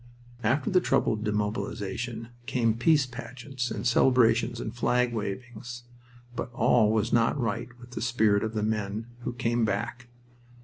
After the trouble of demobilization came peace pageants and celebrations and flag wavings. But all was not right with the spirit of the men who came back.